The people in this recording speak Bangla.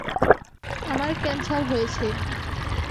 আমার ক্যান্সার হয়েছে।